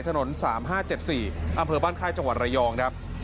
ถนน๓๕๗๔อำเภอบ้านค่ายจังหวัดระยองครับ